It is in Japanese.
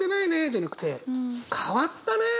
じゃなくて「変わったね！」。